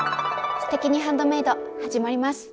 「すてきにハンドメイド」始まります！